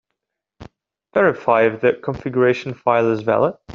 Verify if the configuration file is valid.